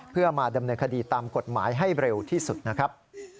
เพื่อมาดำเนินคดีตามกฎหมายให้เร็วที่สุดนะครับ